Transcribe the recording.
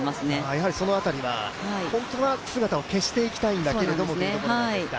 やはりその辺りは、本当は姿を消していきたいんだけれどもというところですか。